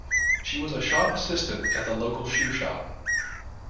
She was a shop assistant at the local shoe shop